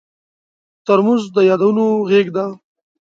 ترموز د یادونو غېږ ده.